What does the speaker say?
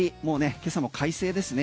今朝も快晴ですね。